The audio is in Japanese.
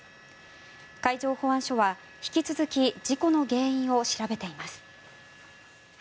海上保安署は引き続き事故の原因を調べています。